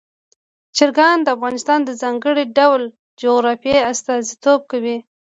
چرګان د افغانستان د ځانګړي ډول جغرافیه استازیتوب کوي.